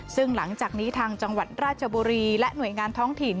ซึ่งหลังจากนี้ทางจังหวัดราชบุรีและหน่วยงานท้องถิ่น